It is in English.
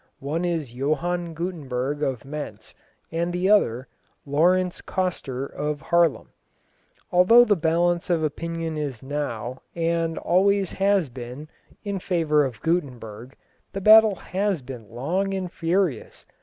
One is Johann Gutenberg of Mentz, and the other, Laurenz Coster of Haarlem. Although the balance of opinion is now, and always has been, in favour of Gutenberg, the battle has been long and furious.